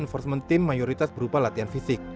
enforcement team mayoritas berupa latihan fisik